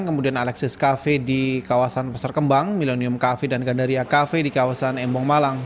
kemudian alexis cafe di kawasan pasar kembang milenium cafe dan gandaria cafe di kawasan embong malang